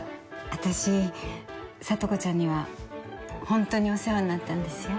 私里子ちゃんにはホントにお世話になったんですよ。